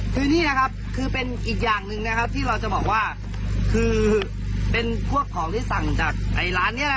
คือนี่นะครับคือเป็นอีกอย่างหนึ่งนะครับที่เราจะบอกว่าคือเป็นพวกของที่สั่งจากร้านนี้แหละ